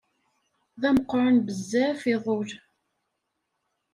D ameqqran bezzaf iḍul.